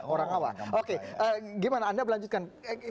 orang awam oke gimana anda melanjutkan